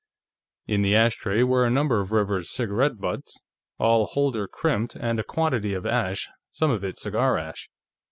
In the ashtray were a number of River's cigarette butts, all holder crimped, and a quantity of ash, some of it cigar ash.